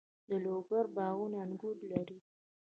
د لوګر باغونه انګور لري.